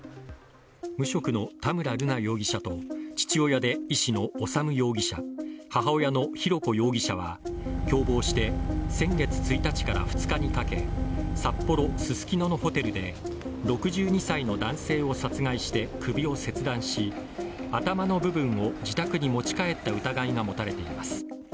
無職の田村瑠奈容疑者と父親で医師の修容疑者母親の浩子容疑者は共謀して先月１日から２日にかけ札幌ススキノのホテルで６２歳の男性を殺害して首を切断し、頭の部分を自宅に持ち帰った疑いが持たれています。